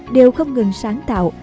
đều không ngừng sáng tạo